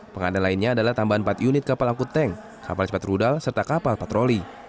pengandal lainnya adalah tambahan empat unit kapal angkut tank kapal cepat rudal serta kapal patroli